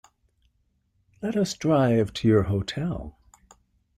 Let us drive to your hotel.